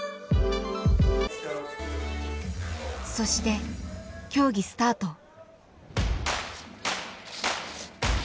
そして競技スタート。